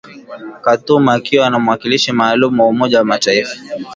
Khartoum akiwa na mwakilishi maalum wa umoja wa mataifa